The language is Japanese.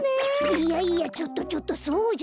いやいやちょっとちょっとそうじゃなくて！